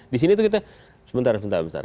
di sini tuh kita sebentar sebentar sebentar